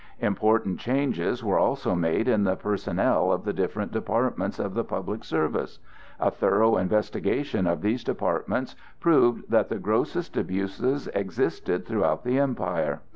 Important changes were also made in the personnel of the different departments of the public service; a thorough investigation of these departments proved that the grossest abuses existed throughout the empire.